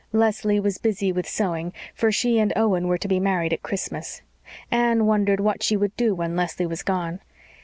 Leslie was busy with sewing, for she and Owen were to be married at Christmas. Anne wondered what she would do when Leslie was gone.